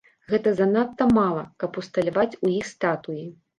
Гэта занадта мала, каб усталяваць у іх статуі.